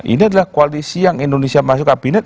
ini adalah koalisi yang indonesia masuk kabinet